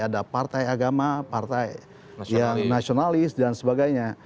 ada partai agama partai yang nasionalis dan sebagainya